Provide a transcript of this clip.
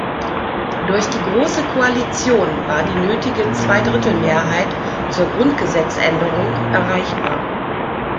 Durch die Große Koalition war die nötige Zweidrittelmehrheit zur Grundgesetzänderung erreichbar.